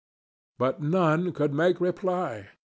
But none could make reply.